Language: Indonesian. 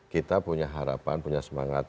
kita punya harapan punya semangat